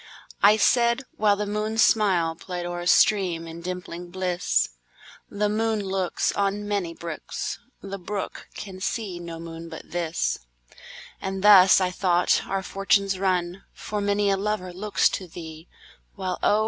I said (whileThe moon's smilePlay'd o'er a stream, in dimpling bliss),The moon looksOn many brooks, The brook can see no moon but this; And thus, I thought, our fortunes run, For many a lover looks to thee, While oh!